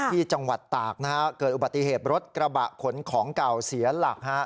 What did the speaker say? ที่จังหวัดตากเกิดอุบัติเหตุรถกระบะขนของเก่าเสียหลัก